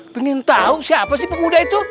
pengen tahu siapa sih pemuda itu